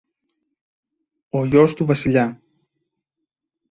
Ο γιος του Βασιλιά!